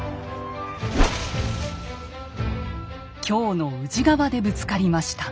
京の宇治川でぶつかりました。